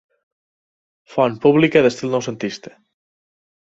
Font pública d'estil noucentista.